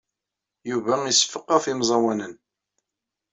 Yuba iseffeq ɣef yemẓawanen.